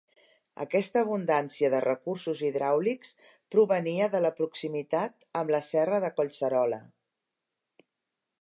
Aquesta abundància de recursos hidràulics provenia de la proximitat amb la serra de Collserola.